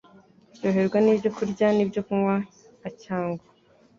ryoherwa n ibyokurya n ibyokunywa a cyangwa